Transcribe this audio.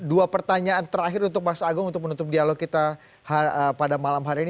dua pertanyaan terakhir untuk mas agung untuk menutup dialog kita pada malam hari ini